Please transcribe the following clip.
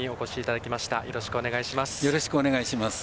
よろしくお願いします。